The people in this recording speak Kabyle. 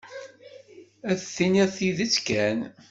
Ad d-tiniḍ tidet kan.